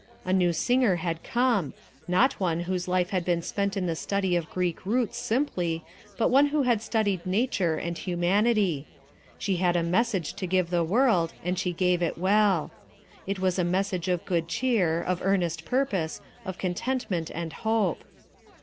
A new singer had come; not one whose life had been spent in the study of Greek roots, simply, but one who had studied nature and humanity. She had a message to give the world, and she gave it well. It was a message of good cheer, of earnest purpose, of contentment and hope.